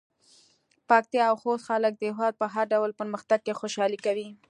پکتيا او خوست خلک د هېواد په هر ډول پرمختګ کې خوشحالي کوي.